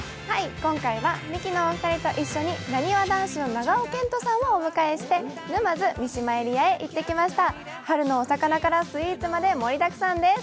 今回はミキのお二人と一緒に、なにわ男子の長尾謙杜さんと沼津、三島エリアへ行ってきました春のお魚からスイーツまで盛りだくさんです。